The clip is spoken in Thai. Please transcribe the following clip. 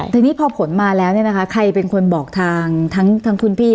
ทีนี้พอผลมาแล้วใครเป็นคนบอกทางทั้งคุณพี่